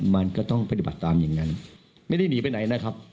มันก็ต้องปฏิบัติตามอย่างนั้นไม่ได้หนีไปไหนนะครับ